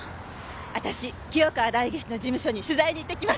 私清川代議士の事務所に取材に行ってきます。